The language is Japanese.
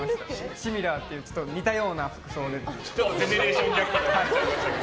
シミラーっていう似たような服装で。